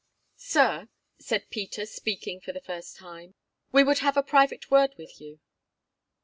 "Sir," said Peter, speaking for the first time, "we would have a private word with you."